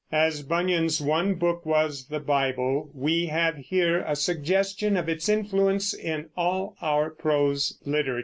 As Bunyan's one book was the Bible, we have here a suggestion of its influence in all our prose literature.